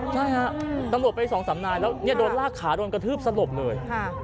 ใช่ฮะตำรวจไปสองสามนายแล้วโดนลากขาโดนกระทืบสลบเลย